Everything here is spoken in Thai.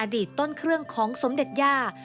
ต้นเครื่องของสมเด็จย่า